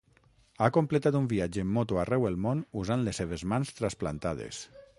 Ha completat un viatge en moto arreu el món usant les seves mans trasplantades.